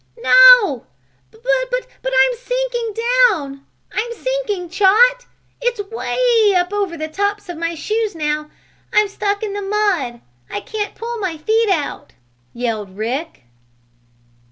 "No, but I'm sinking down! I'm sinking, Chot! It's way up over the tops of my shoes now! I'm stuck in the mud! I can't pull my feet out!" yelled Rick.